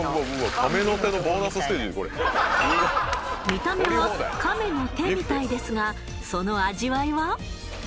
見た目は亀の手みたいですがその味わいは？